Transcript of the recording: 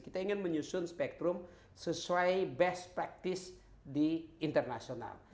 kita ingin menyusun spektrum sesuai best practice di internasional